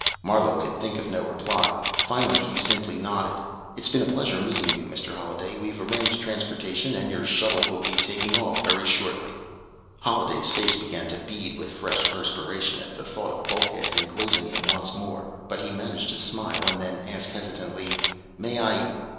Marlowe could think of no reply. Finally, he simply nodded. "It's been a pleasure meeting you, Mr. Holliday. We've arranged transportation, and your shuttle will be taking off very shortly." Holliday's face began to bead with fresh perspiration at the thought of bulkheads enclosing him once more, but he managed to smile, and then ask, hesitantly: "May I